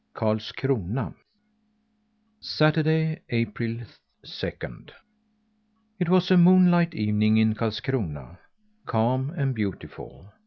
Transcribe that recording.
KARLSKRONA Saturday, April second. It was a moonlight evening in Karlskrona calm and beautiful.